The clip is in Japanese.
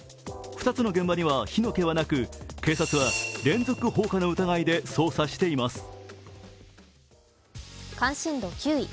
２つの現場には火の気はなく警察は連続放火の疑いで捜査しています。